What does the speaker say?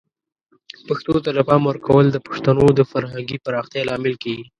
پښتو ته د پام ورکول د پښتنو د فرهنګي پراختیا لامل کیږي.